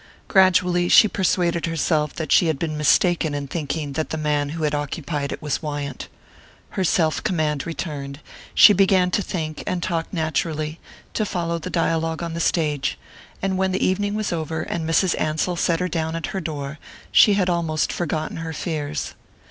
Gradually she persuaded herself that she had been mistaken in thinking that the man who had occupied it was Wyant. Her self command returned, she began to think and talk naturally, to follow the dialogue on the stage and when the evening was over, and Mrs. Ansell set her down at her door, she had almost forgotten her fears.